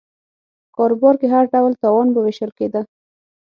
په کاروبار کې هر ډول تاوان به وېشل کېده